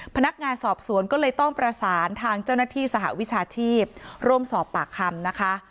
พนักงานสอบสวนก็เลยต้องประสานทางเจ้าหน้าที่สหวิชาชีพร่วมสอบปากคำนะคะ